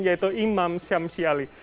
yaitu imam syamsi ali